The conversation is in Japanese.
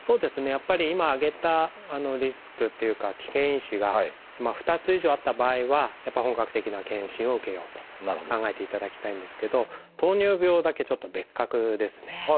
やっぱり今挙げたリスクというか危険因子が２つ以上あった場合は本格的な検診を受けようと考えていただきたいんですけど糖尿病だけちょっと別格ですね。